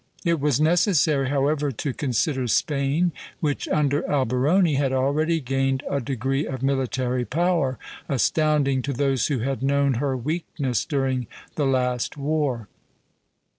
It was necessary, however, to consider Spain, which under Alberoni had already gained a degree of military power astounding to those who had known her weakness during the last war.